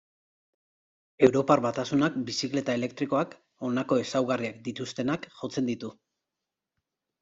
Europar Batasunak bizikleta elektrikoak honako ezaugarriak dituztenak jotzen ditu.